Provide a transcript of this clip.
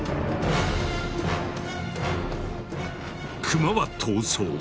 クマは逃走。